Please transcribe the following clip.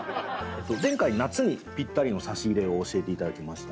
前回夏にぴったりの差し入れを教えていただきました。